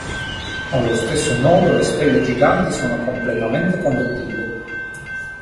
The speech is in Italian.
Allo stesso modo le stelle giganti sono completamente convettive.